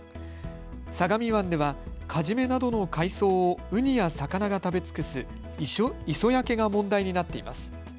相模湾ではカジメなどの海藻をウニや魚が食べ尽くす磯焼けが問題になっています。